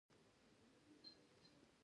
پیرودونکی د تخفیف له امله خوښ شو.